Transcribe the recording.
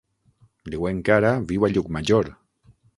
Diuen que ara viu a Llucmajor.